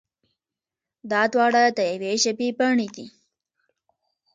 دا دواړه د يوې ژبې بڼې دي.